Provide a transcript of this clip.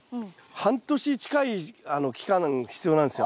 半年近い期間必要なんですよ。